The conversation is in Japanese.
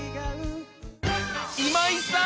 今井さん！